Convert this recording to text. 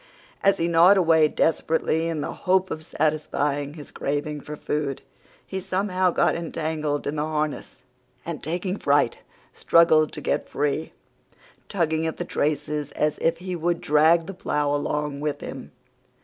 As he gnawed away desperately in the hope of satisfying his craving for food, he somehow got entangled in the harness, and, taking fright, struggled to get free, tugging at the traces as if he would drag the plough along with him.